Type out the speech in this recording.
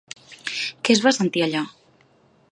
Què es va sentir allà?